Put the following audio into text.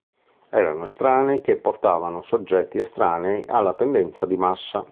Erano estranei che portano soggetti estranei alla tendenza di massa".